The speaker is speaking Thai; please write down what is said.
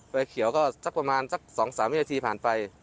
ไฟเขียวก็ประมาณ๒๓นิดนาทีผ่านไฟ